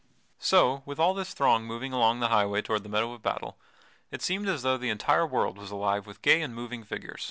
So, with all this throng moving along the highway toward the meadow of battle, it seemed as though the entire world was alive with gay and moving figures.